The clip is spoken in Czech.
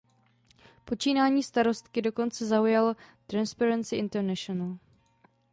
Počínání starostky dokonce zaujalo Transparency International.